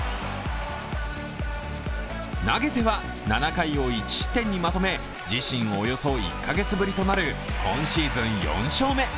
投げては７回を１失点にまとめ自身およそ１カ月ぶりとなる今シーズン４勝目。